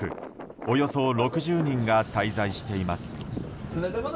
およそ６０人が滞在しています。